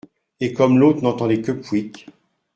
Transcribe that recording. Et comme l’autre n’entendait que pouic